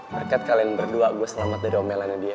berkat kalian berdua gue selamat dari omelannya dia